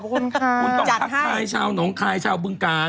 คุณค่ะคุณต้องทักทายชาวหนองคายชาวบึงกาล